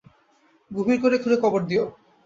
গভীর করে খুঁড়ে কবর দিও।